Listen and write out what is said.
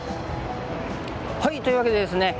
はいというわけでですね